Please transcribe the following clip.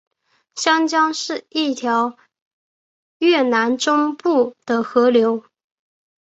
香江是一条越南中部的河流。